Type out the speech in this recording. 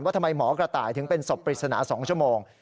ทำไมหมอกระต่ายถึงเป็นศพปริศนา๒ชั่วโมง